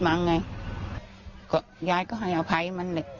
ยัยยก็ให้อภัยให้มันเลย